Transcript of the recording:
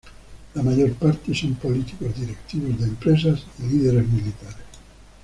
La mayor parte son políticos, directivos de empresas y líderes militares.